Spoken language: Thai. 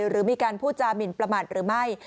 หรือมีการพูดจามินประมาทหรือไม่